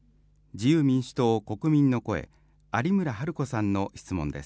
自由民主党・国民の声、有村治子さんの質問です。